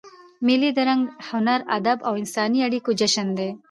مېلې د رنګ، هنر، ادب او انساني اړیکو جشن دئ.